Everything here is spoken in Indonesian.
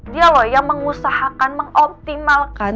dia yang mengusahakan mengoptimalkan